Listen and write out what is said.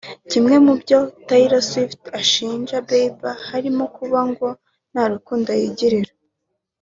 Kimwe mu byo Taylor Swift ashinja Bieber harimo kuba ngo nta rukundo yigirira